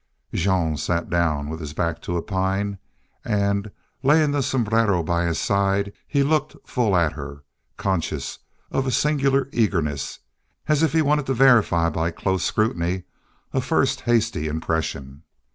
Jean sat down with his back to a pine, and, laying the sombrero by his side, he looked full at her, conscious of a singular eagerness, as if he wanted to verify by close scrutiny a first hasty impression.